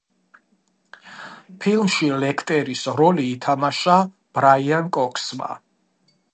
ფილმში ლექტერის როლი ითამაშა ბრაიან კოქსმა.